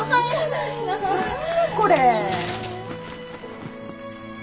これ。